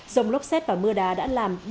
rông lốc xét và mưa đá đã làm